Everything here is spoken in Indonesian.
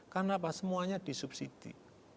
karena apa semuanya disubsidi